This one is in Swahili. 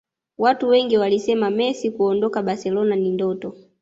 Watu wengi walisema Messi kuondoka Barcelona ni ndoto